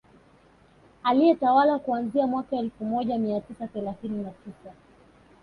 Aliyetawala kuanzia mwaka wa elfu moja mia tisa thelathini na tisa